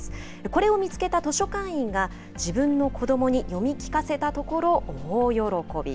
これを見つけた図書館員が、自分の子どもに読み聞かせたところ大喜び。